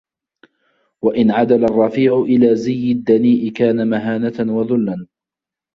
وَإِنْ عَدَلَ الرَّفِيعُ إلَى زِيِّ الدَّنِيءِ كَانَ مَهَانَةً وَذُلًّا